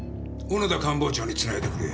小野田官房長につないでくれ。